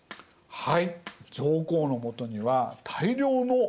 はい。